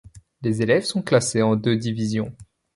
Les élèves sont classés en deux divisions.